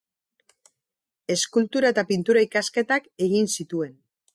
Eskultura eta Pintura ikasketak egin zituen.